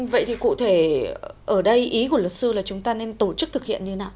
vậy thì cụ thể ở đây ý của luật sư là chúng ta nên tổ chức thực hiện như thế nào